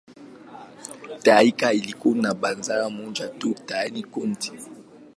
Tharaka ilikuwa na baraza moja tu, "Tharaka County".